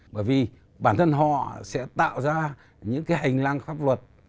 bởi vì bản thân họ sẽ tạo ra những cái hành lang pháp luật